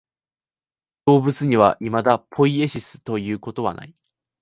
動物にはいまだポイエシスということはない。